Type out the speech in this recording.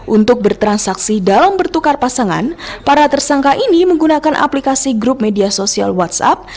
untuk bertransaksi dalam bertukar pasangan para tersangka ini menggunakan aplikasi grup media sosial whatsapp